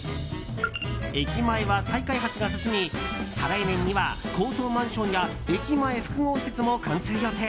駅前は再開発が進み再来年には高層マンションや駅前複合施設も完成予定。